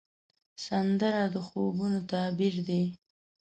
سندره د خوبونو تعبیر دی